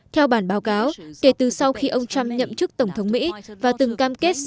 theo bản báo cáo kể từ sau khi ông trump nhậm chức tổng thống mỹ và từng cam kết